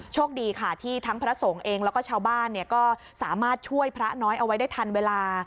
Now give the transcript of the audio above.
โชคดีค่ะที่ทั้งพระสงฆ์เองแล้วก็ชาวบ้านก็สามารถช่วยพระน้อยเอาไว้ได้ทันเวลา